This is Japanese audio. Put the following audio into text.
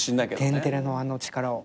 『天てれ』のあの力を。